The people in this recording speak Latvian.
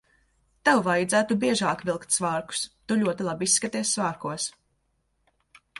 Tev vajadzētu biežāk vilkt svārkus. Tu ļoti labi izskaties svārkos.